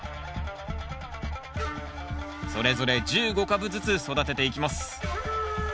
それぞれ１５株ずつ育てていきます